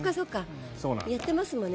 やってますもんね